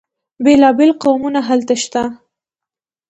بیلا بیل قومونه هلته شته.